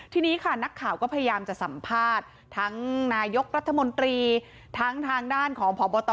ทีนี้ค่ะนักข่าวก็พยายามจะสัมภาษณ์ทั้งนายกรัฐมนตรีทั้งทางด้านของพบต